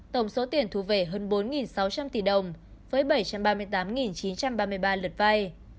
tổng số tiền thu về hơn bốn sáu trăm linh tỷ đồng với bảy trăm ba mươi tám chín trăm ba mươi ba lượt vay